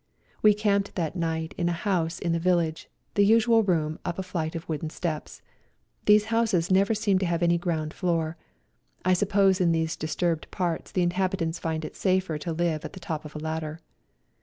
We camped that night in a house in the village, the usual room up a flight of wooden steps. These houses never seem to have any ground floor. I suppose in these disturbed parts the inhabitants find it safer to live at the top of a ladder.